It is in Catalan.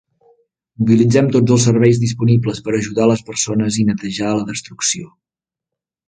Mobilitzem tots els serveis disponibles per ajudar les persones i netejar la destrucció.